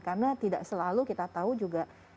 karena tidak selalu kita tahu juga